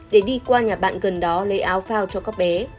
để đi qua nhà bạn gần đó lấy áo phao cho các bé